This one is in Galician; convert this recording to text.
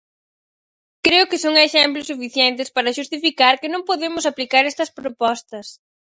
Creo que son exemplos suficientes para xustificar que non podemos aplicar estas propostas.